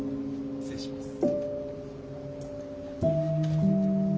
失礼します。